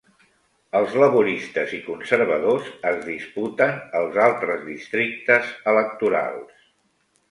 Els laboristes i conservadors es disputen els altres districtes electorals.